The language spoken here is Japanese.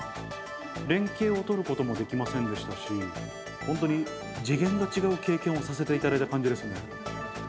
連携を取ることもできませんでしたし、本当に次元が違う経験をさせていただいた感じですね。